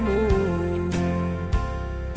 bagaimana aku bisa mencarimu